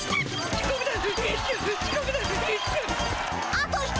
あと一人！